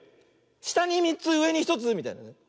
したに３つうえに１つみたいな。